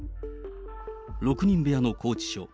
６人部屋の拘置所。